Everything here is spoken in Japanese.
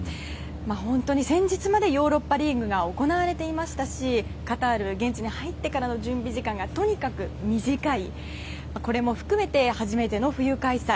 本当に先日までヨーロッパリーグが行われていましたし現地に入ってからの準備時間がとにかく短い、これも含めて初めての冬開催